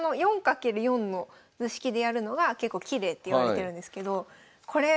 ４×４の図式でやるのが結構きれいっていわれてるんですけどこれ。